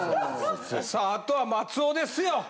さああとは松尾ですよ。